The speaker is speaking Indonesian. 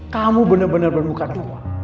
kamu bener bener bukan tua